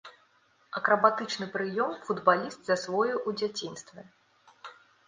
Акрабатычны прыём футбаліст засвоіў у дзяцінстве.